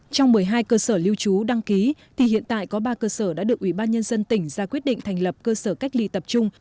trong một mươi hai cơ sở lưu trú đăng ký thì hiện tại có ba cơ sở đã được ủy ban nhân dân tỉnh ra quyết định thành lập cơ sở cách ly tập trung